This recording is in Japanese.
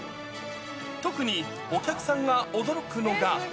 特にお客さんが驚くのが。